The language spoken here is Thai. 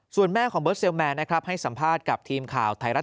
ส่วนแม่ของเบิร์ดเซลแมนนะครับให้สัมภาษณ์กับทีมข่าวไทยรัฐ